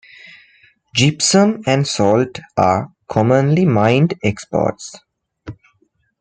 Gypsum and salt are commonly mined exports.